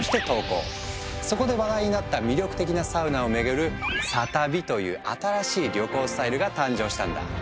そこで話題になった魅力的なサウナを巡る「サ旅」という新しい旅行スタイルが誕生したんだ。